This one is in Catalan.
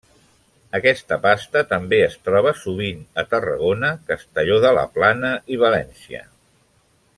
Aquesta pasta també es troba sovint a Tarragona, Castelló de la Plana i València.